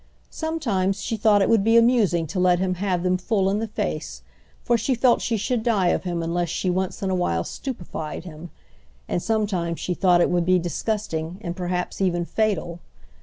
Sometimes she thought it would be amusing to let him have them full in the face, for she felt she should die of him unless she once in a while stupefied him; and sometimes she thought it would be disgusting and perhaps even fatal.